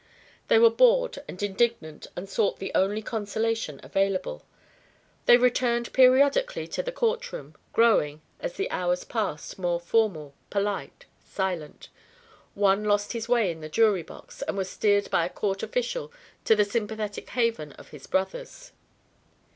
They were bored and indignant and sought the only consolation available. They returned periodically to the court room, growing, as the hours passed, more formal, polite, silent. One lost his way in the jury box and was steered by a court official to the sympathetic haven of his brothers.